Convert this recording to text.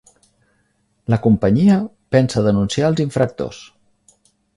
La companyia pensa denunciar als infractors